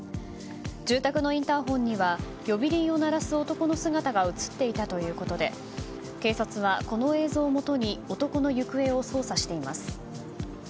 住宅のインターホンには呼び鈴を鳴らす男の姿が映っていたということで警察はこの映像をもとに男の行方を捜査しています。